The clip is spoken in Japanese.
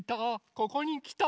ここにきた！